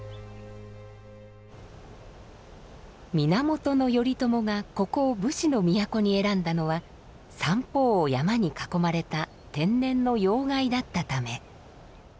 源頼朝がここを武士の都に選んだのは三方を山に囲まれた天然の要害だったため。